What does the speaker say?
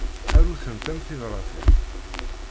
Aru-tent am tebratin.